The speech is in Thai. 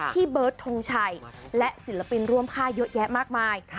เบิร์ดทงชัยและศิลปินร่วมค่าเยอะแยะมากมาย